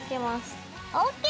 ＯＫ！